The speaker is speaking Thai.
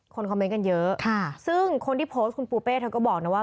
คอมเมนต์กันเยอะซึ่งคนที่โพสต์คุณปูเป้เธอก็บอกนะว่า